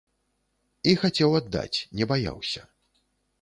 І хацеў аддаць, не баяўся.